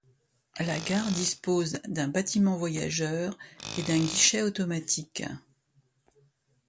La gare dispose d'un bâtiment voyageurs et d'un guichet automatique.